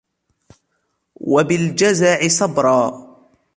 وَبِالْجَزَعِ صَبْرًا